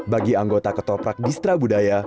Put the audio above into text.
bagi anggota ketoprak distra budaya